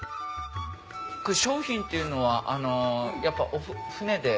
商品っていうのはやっぱ船で。